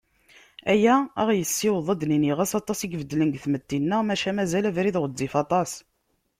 Aya, ad aɣ-yessiweḍ ad d-nini: Ɣas aṭas i ibeddlen deg tmetti-nneɣ, maca mazal abrid ɣezzif aṭas.